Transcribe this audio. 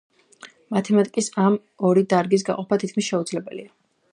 მათემატიკის ამ ორი დარგის გაყოფა თითქმის შეუძლებელია.